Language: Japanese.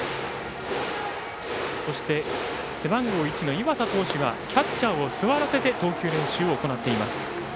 そして、背番号１の岩佐投手がキャッチャーを座らせて投球練習を行っています。